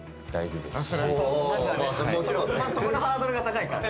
そこのハードルが高いから。